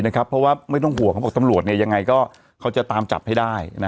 เพราะว่าไม่ต้องห่วงตำรวจจะตามจับให้ได้